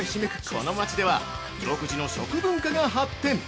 この街では独自の食文化が発展！